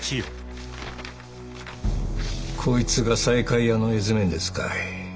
こいつが西海屋の絵図面ですかい。